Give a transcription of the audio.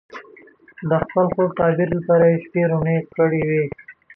د خپل خوب د تعبیر لپاره یې شپې روڼې کړې وې.